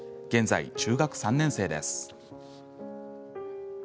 現在、中学３年生です。